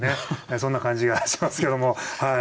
そんな感じがしますけどもはい。